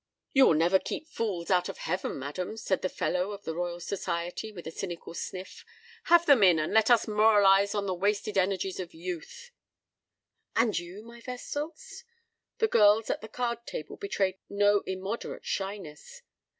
"You will never keep fools out of heaven, madam," said the Fellow of the Royal Society, with a cynical sniff; "have them in, and let us moralize on the wasted energies of youth." "And you—my vestals?" The girls at the card table betrayed no immoderate shyness.